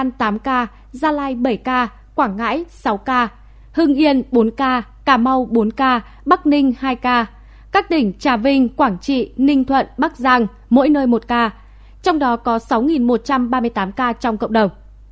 một ca gia lai bảy ca quảng ngãi sáu ca hưng yên bốn ca cà mau bốn ca bắc ninh hai ca các tỉnh trà vinh quảng trị ninh thuận bắc giang mỗi nơi một ca trong đó có sáu một trăm ba mươi tám ca trong cộng đồng